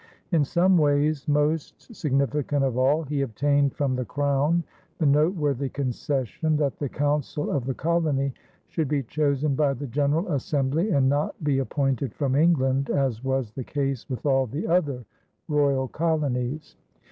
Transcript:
In some ways most significant of all, he obtained from the Crown the noteworthy concession that the council of the colony should be chosen by the general assembly and not be appointed from England, as was the case with all the other royal colonies.